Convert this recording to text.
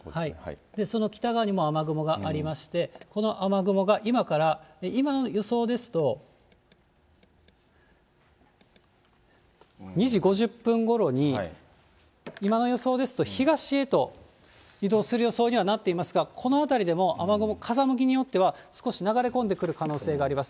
その北側にも雨雲がありまして、この雨雲が、今から、今の予想ですと、２時５０分ごろに、今の予想ですと、東へと移動する予想にはなっていますが、この辺りでも雨雲、風向きによっては少し流れ込んでくる可能性があります。